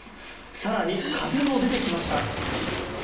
更に風も出てきました。